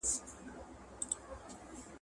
که خلګ يو بل ته مرسته وکړي، ستونزي حل کېږي.